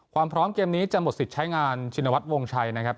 ความพร้อมเกมนี้จะหมดสิทธิ์ใช้งานชินวัฒนวงชัยนะครับ